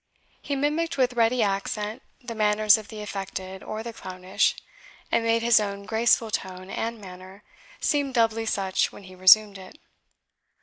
He mimicked with ready accent the manners of the affected or the clownish, and made his own graceful tone and manner seem doubly such when he resumed it.